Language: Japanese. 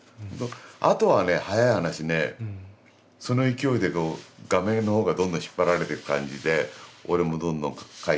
あとはね早い話ねその勢いで画面の方がどんどん引っ張られてく感じで俺もどんどん描いて。